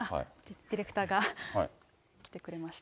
ディレクターが来てくれました。